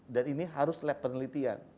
dan ini harus lab penelitian